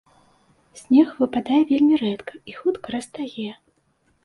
Снег выпадае вельмі рэдка і хутка растае.